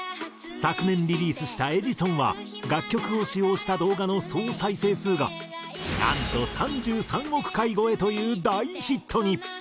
昨年リリースした『エジソン』は楽曲を使用した動画の総再生数がなんと３３億回超えという大ヒットに！